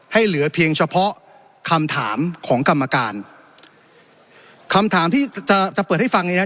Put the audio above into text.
เหลือเพียงเฉพาะคำถามของกรรมการคำถามที่จะจะเปิดให้ฟังนี้นะ